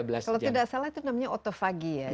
kalau tidak salah itu namanya otofagi ya